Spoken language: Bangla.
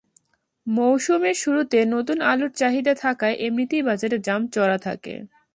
মৌসুমের শুরুতে নতুন আলুর চাহিদা থাকায় এমনিতেই বাজারে দাম চড়া থাকে।